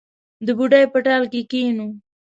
د بوډۍ په ټال کې کښېنو